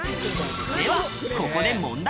では、ここで問題。